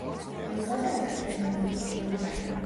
დაიბადა ეკატერინოსლავში, უკრაინა.